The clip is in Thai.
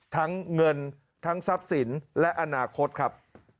ทั้งเงินทั้งทรัพย์สินและอนาคตครับ